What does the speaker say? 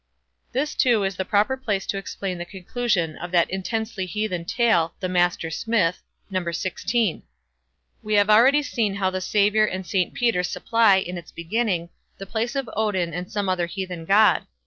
This, too, is the proper place to explain the conclusion of that intensely heathen tale, "the Master Smith", No. xvi. We have already seen how the Saviour and St Peter supply, in its beginning, the place of Odin and some other heathen god.